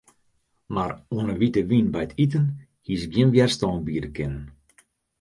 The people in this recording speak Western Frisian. Mar oan 'e wite wyn by it iten hie se gjin wjerstân biede kinnen.